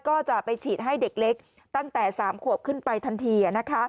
ก็จะไปฉีดให้เด็กเล็กตั้งแต่๓ขวบขึ้นไปทันที